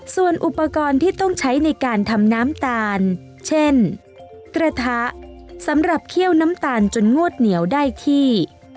ส่วนอุปกรณ์ที่ต้องใช้ในการทำน้ำตาลเช่นกระทะสำหรับเคี่ยวน้ำตาลจนงวดเหนียวได้ที่